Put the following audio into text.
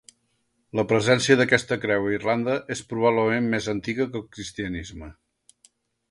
La presència d'aquesta creu a Irlanda és probablement més antiga que el cristianisme.